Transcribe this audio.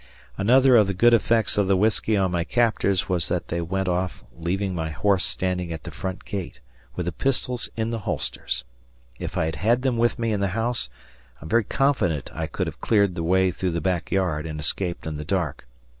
Another of the good effects of the whiskey on my captors was that they went off leaving my horse standing at the front gate, with the pistols in the holsters. If I had had them with me in the house, I am very confident I could have cleared the way through the back yard and escaped in the dark.